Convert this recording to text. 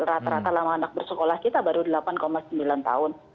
rata rata lama anak bersekolah kita baru delapan sembilan tahun